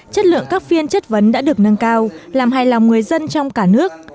chất lượng các phiên chất vấn đã được nâng cao làm hài lòng người dân trong cả nước